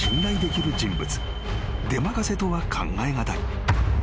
［でまかせとは考え難い］